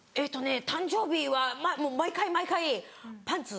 誕生日は毎回毎回パンツ。